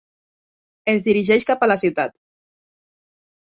Es dirigeix cap a la ciutat.